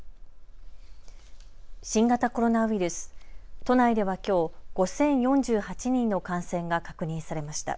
新型コロナウイルス、都内ではきょう５０４８人の感染が確認されました。